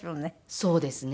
そうですね。